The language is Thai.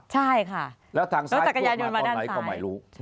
ใช่ค่ะรถจักรยานยนต์มาด้านซ้าย